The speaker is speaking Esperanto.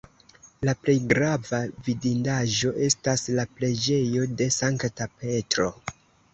La plej grava vidindaĵo estas la preĝejo de Sankta Petro.